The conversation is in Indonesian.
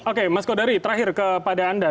oke mas kodari terakhir kepada anda